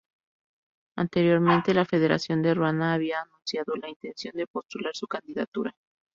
Anteriormente, la federación de Ruanda había anunciado la intención de postular su candidatura.